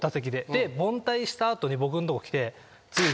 で凡退した後に僕のとこ来て。